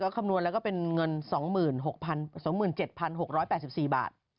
คำนวณแล้วก็เป็นเงิน๒๖๒๗๖๘๔บาท